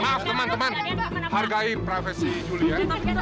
maaf teman teman hargai profesi juli ya